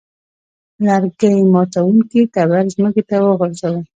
لرګي ماتوونکي تبر ځمکې ته وغورځاوه.